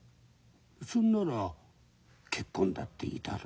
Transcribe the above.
そんなら結婚だっていいだろ。